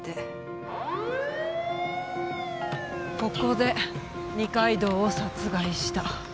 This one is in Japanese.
ここで二階堂を殺害した。